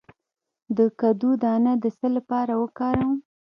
د کدو دانه د څه لپاره وکاروم؟